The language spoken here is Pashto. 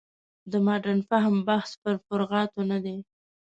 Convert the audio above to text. د مډرن فهم بحث پر فروعاتو نه دی.